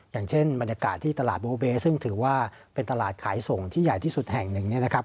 อย่างเช่นบรรยากาศที่ตลาดโบเบซึ่งถือว่าเป็นตลาดขายส่งที่ใหญ่ที่สุดแห่งหนึ่งเนี่ยนะครับ